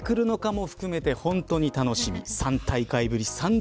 どこで出てくるのかも含めて本当に楽しみ。